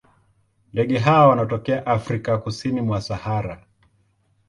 Ndege hawa wanatokea Afrika kusini mwa Sahara.